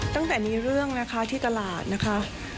ตั้งแต่มีเรื่องนะคะที่ตลาดนะคะ